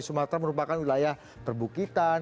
sumatra merupakan wilayah perbukitan